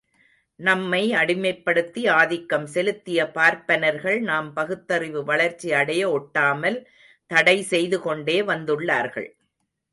நம்மை அடிமைப்படுத்தி ஆதிக்கம் செலுத்திய பார்ப்பனர்கள் நாம் பகுத்தறிவு வளர்ச்சி அடைய ஒட்டாமல் தடை செய்துகொண்டே வந்துள்ளார்கள்.